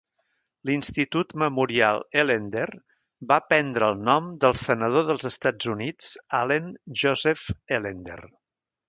l'Institut Memorial Ellender va prendre el nom del Senador dels Estats Units Allen Joseph Ellender.